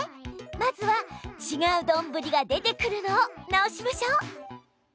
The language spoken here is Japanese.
まずはちがうどんぶりが出てくるのを直しましょう！